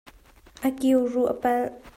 A kiu ruh a pelh.